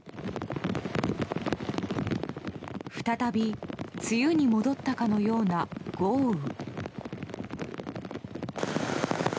再び梅雨に戻ったかのような豪雨。